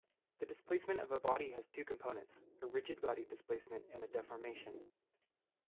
The displacement of a body has two components: a rigid-body displacement and a deformation.